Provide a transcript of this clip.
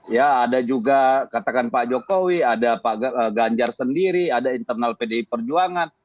ya ada juga katakan pak jokowi ada pak ganjar sendiri ada internal pdi perjuangan